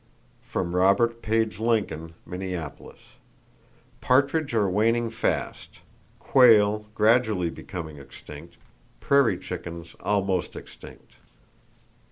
From Robert Page Lincoln, Minneapolis.—Partridge are waning fast, quail gradually becoming extinct, prairie chickens almost extinct.